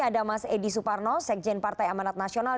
ada mas edi suparno sekjen partai amanat nasional